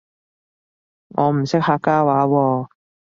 我唔識客家話喎